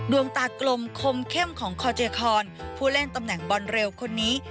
ดวงตากลมคมเข้มของคอเจคอนผู้เล่นตำแหน่งบอลเร็วคนนี้